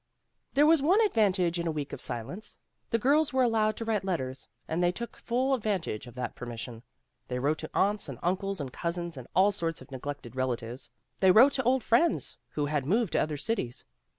There was one advantage in a week of silence. The girls were allowed to write letters, and they took full advantage of that permission. They wrote to aunts and uncles and cousins and all sorts of neglected relatives. They wrote to old friends, who had moved to other cities.